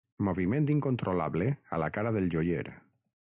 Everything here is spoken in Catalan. Moviment incontrolable a la cara del joier.